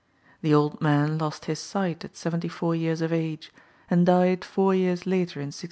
The old man lost his sight at seventy four years of age, and died four years later in 1642.